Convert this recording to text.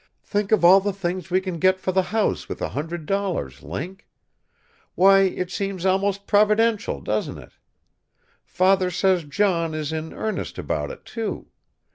Think of all the things we can get for the house with $100, Link! Why, it seems almost providential, doesn't it? Father says John is in earnest about it too.